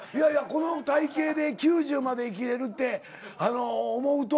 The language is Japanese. この体形で９０まで生きれるって思うと。